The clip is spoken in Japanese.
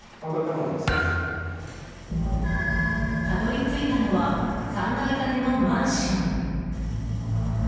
たどり着いたのは３階建てのマンション。